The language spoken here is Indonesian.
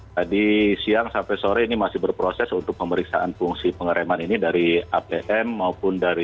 tadi siang sampai sore ini masih berproses untuk pemeriksaan fungsi pengereman ini dari apm maupun dari